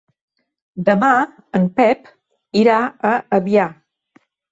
Demà en Pep irà a Avià.